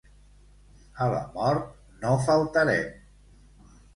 A la mort no faltarem.